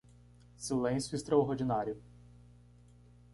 Silêncio extraordinário